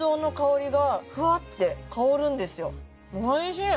おいしい！